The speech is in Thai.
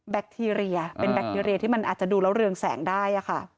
คทีเรียเป็นแบคทีเรียที่มันอาจจะดูแล้วเรืองแสงได้ค่ะ